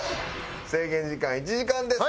制限時間１時間です。